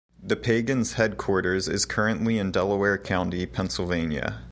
The Pagans headquarters is currently in Delaware County, Pennsylvania.